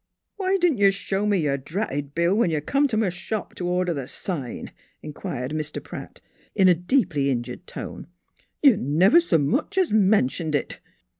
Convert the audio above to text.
" Why didn't you show me yer dratted bill when you come t' m' shop t' order th' sign? " inquired Mr. Pratt, in a deeply injured tone. " You never s' much 's mentioned it."